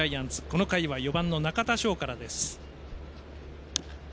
この回は４番の中田翔からです。